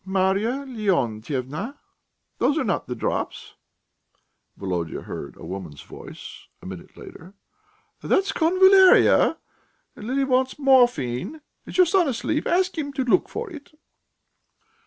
"Marya Leontyevna, those are not the drops!" Volodya heard a woman's voice, a minute later. "That's convallaria, and Lili wants morphine. Is your son asleep? Ask him to look for it...."